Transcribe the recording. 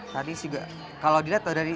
tadi juga kalau dilihat dari